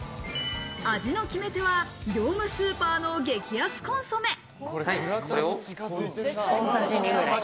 味の決め手は業務スーパーの激安コンソメ。